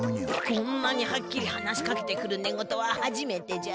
こんなにはっきり話しかけてくる寝言ははじめてじゃ。